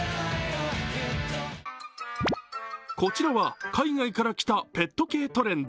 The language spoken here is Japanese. こちらは海外から来たペット系トレンド。